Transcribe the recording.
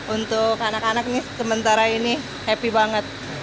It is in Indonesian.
untuk anak anak nih sementara ini happy banget